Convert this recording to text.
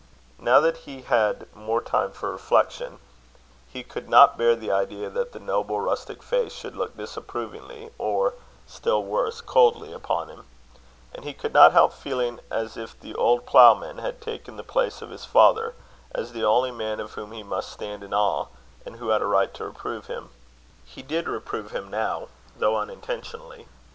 Now that he had more time for reflection, he could not bear the idea that that noble rustic face should look disapprovingly or, still worse, coldly upon him; and he could not help feeling as if the old ploughman had taken the place of his father, as the only man of whom he must stand in awe, and who had a right to reprove him. He did reprove him now, though unintentionally.